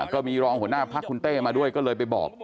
ก็มีรองหัวหน้าพักคุณเต้มาด้วยก็เลยไปบอก